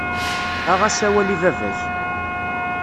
Aɣ-as awal i baba-k.